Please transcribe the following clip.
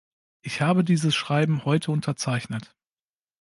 Ich habe dieses Schreiben heute unterzeichnet.